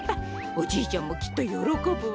おじいちゃんもきっとよろこぶわ。